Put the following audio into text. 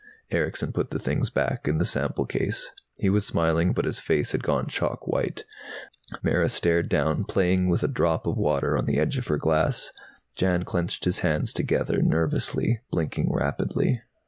Erickson put the things back in the sample case. He was smiling, but his face had gone chalk white. Mara stared down, playing with a drop of water on the edge of her glass. Jan clenched his hands together nervously, blinking rapidly.